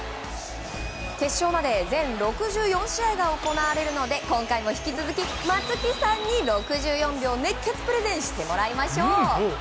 決勝まで全６４試合が行われるので今回も引き続き、松木さんに６４秒熱血プレゼンしてもらいましょう。